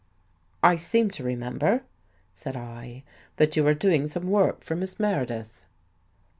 "" I seem to remember," said I, " that you were doing some work for Miss Meredith."